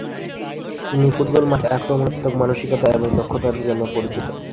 তিনি ফুটবল মাঠে আক্রমণাত্মক মানসিকতা এবং দক্ষতার জন্য পরিচিত।